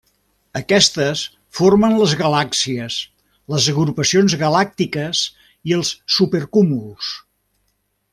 Aquestes formen les galàxies, les agrupacions galàctiques i els supercúmuls.